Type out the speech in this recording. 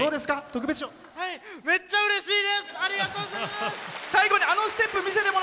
めっちゃうれしいです！